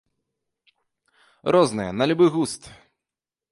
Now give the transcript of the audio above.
Розныя, на любы густ.